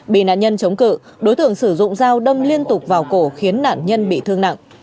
bị nạn nhân chống cự đối tượng sử dụng dao đâm liên tục vào cổ khiến nạn nhân bị thương nặng